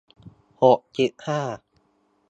หกสิบห้า